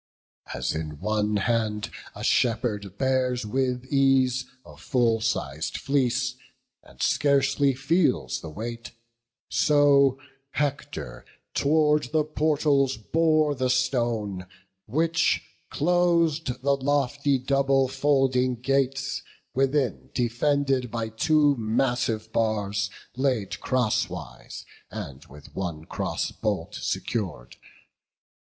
As in one hand a shepherd bears with ease A full siz'd fleece, and scarcely feels the weight; So Hector tow'rd the portals bore the stone, Which clos'd the lofty double folding gates, Within defended by two massive bars Laid crosswise, and with one cross bolt secur'd.